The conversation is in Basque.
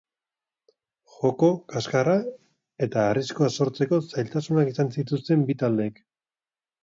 Joko kaskarra eta arriskua sortzeko zailtasunak izan zituzten bi taldeek.